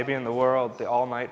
mungkin di dunia